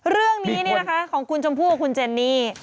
เรื่องนี้ของคุณชมพู่กับคุณเจนนี่